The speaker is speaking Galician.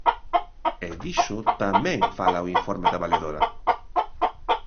E diso tamén fala o informe da Valedora.